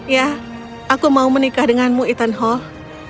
ya aku mau menikah denganmu ethan hall